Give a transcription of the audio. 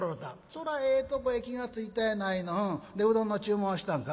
「そらええとこへ気が付いたやないの。でうどんの注文はしたんか」。